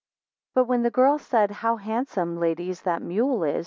13 But when the girl said, How handsome, ladies, that mule is!